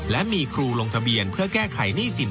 และมีครูลงทะเบียนเพื่อแก้ไขหนี้สิน